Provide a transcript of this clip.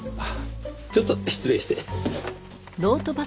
ちょっと失礼して。